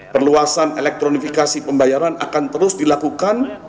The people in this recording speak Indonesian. perluasan elektronifikasi pembayaran akan terus dilakukan